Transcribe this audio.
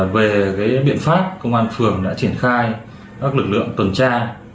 về biện pháp công an phường đã triển khai các lực lượng tuần tra